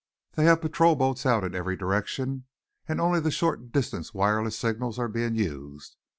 They have patrol boats out in every direction, and only the short distance wireless signals are being used.